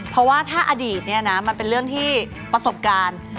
เพราะว่าถ้าอดีตเนี่ยนะมันเป็นเรื่องที่ประสบการณ์